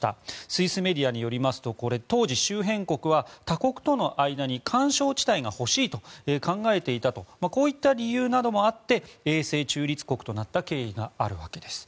スイスメディアによりますと当時、周辺国は他国との間に緩衝地帯が欲しいと考えていたとこういった理由などもあって永世中立国となった経緯があるわけです。